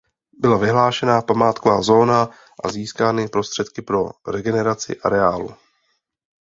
Byla vyhlášena památková zóna a získány prostředky pro regeneraci areálu.